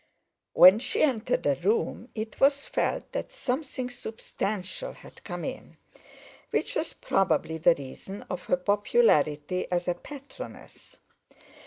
When she entered a room it was felt that something substantial had come in, which was probably the reason of her popularity as a patroness.